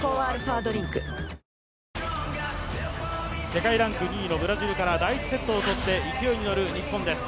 世界ランク２位のブラジルから第１セットをとって勢いに乗る日本です。